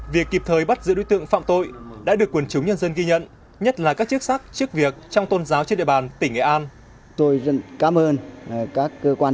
việc kịp thời bắt giữ đối tượng phạm tội đã được quần chúng nhân dân ghi nhận nhất là các chức sắc chức việc trong tôn giáo trên địa bàn tỉnh nghệ an